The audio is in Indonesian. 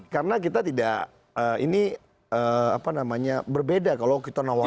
karena kita tidak ini apa namanya berbeda kalau kita nawar nawarin